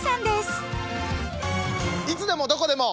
「いつでもどこでも」。